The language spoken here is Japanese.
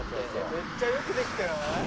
「めっちゃ良くできてない？」